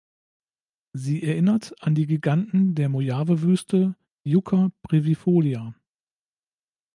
Sie erinnert an den Giganten der Mojave-Wüste "Yucca brevifolia".